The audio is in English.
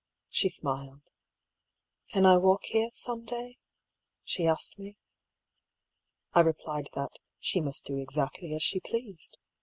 She smiled. ^' Can I walk here, some day ?" she asked me. I replied that ^' she must do exactly as she pleased."